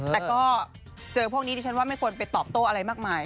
แต่ก็เจอพวกนี้ดิฉันว่าไม่ควรไปตอบโต้อะไรมากมาย